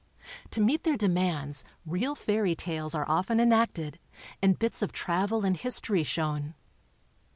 To meet their demands real fairy tales are often en acted and bits of travel and history shown.